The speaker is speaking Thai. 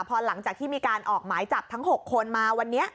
พอหลังจากที่มีการออกหมายจับทั้ง๖คนมาวันนี้